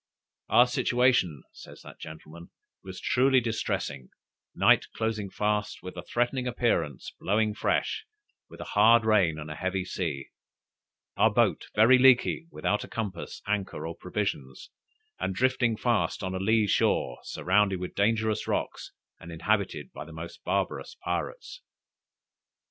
"Our situation," says that gentleman, "was truly distressing night closing fast, with a threatening appearance, blowing fresh, with a hard rain and a heavy sea; our boat very leaky, without a compass, anchor, or provisions, and drifting fast on a lee shore, surrounded with dangerous rocks, and inhabited by the most barbarous pirates."